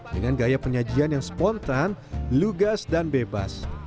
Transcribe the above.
dengan gaya penyajian yang spontan lugas dan bebas